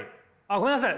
ごめんなさい。